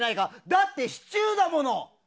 だって、シチューだもの！